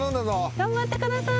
頑張ってください。